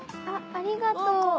ありがとう。